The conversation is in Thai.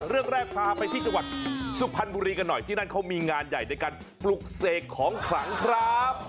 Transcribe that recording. เรื่องแรกพาไปที่จังหวัดสุพรรณบุรีกันหน่อยที่นั่นเขามีงานใหญ่ในการปลุกเสกของขลังครับ